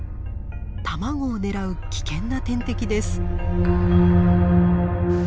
卵を狙う危険な天敵です。